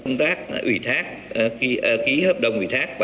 công tác ủy thác ký hợp đồng ủy thác